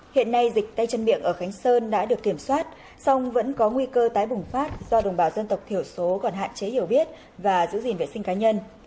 hiện nay dịch tay chân miệng ở khánh sơn đã được kiểm soát song vẫn có nguy cơ tái bùng phát do đồng bào dân tộc thiểu số còn hạn chế hiểu biết và giữ gìn vệ sinh cá nhân